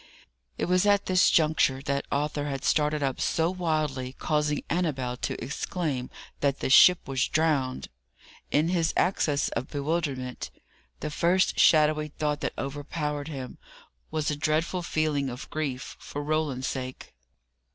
It was at this juncture that Arthur had started up so wildly, causing Annabel to exclaim that the "ship was drowned." In his access of bewilderment, the first shadowy thought that overpowered him was a dreadful feeling of grief, for Roland's sake.